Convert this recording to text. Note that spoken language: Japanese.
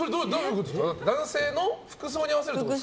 男性の服装に合わせるってことですか？